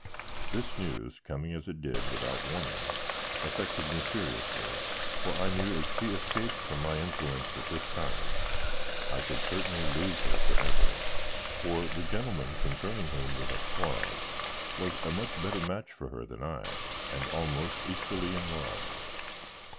This news, coming as it did without warning, affected me seriously, for I knew if she escaped from my influence at this time, I should certainly lose her forever; for the gentleman concerning whom we had quarrelled, was a much better match for her than I, and almost equally in love.